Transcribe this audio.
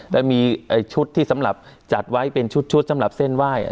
แต่มีชุดที่สำหรับจัดไว้เป็นชุดสำหรับเส้นไหว้